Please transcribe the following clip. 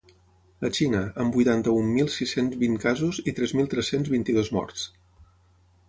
La Xina, amb vuitanta-un mil sis-cents vint casos i tres mil tres-cents vint-i-dos morts.